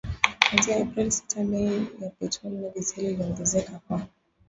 kuanzia Aprili sita bei ya petroli na dizeli iliongezeka kwa